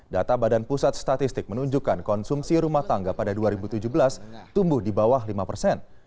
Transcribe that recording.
data badan pusat statistik menunjukkan konsumsi rumah tangga pada dua ribu tujuh belas tumbuh di bawah lima persen